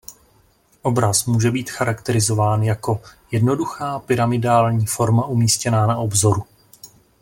Obraz může být charakterizován jako "„jednoduchá pyramidální forma umístěná na obzoru“".